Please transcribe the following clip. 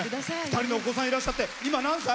２人のお子さんいらっしゃって今、何歳？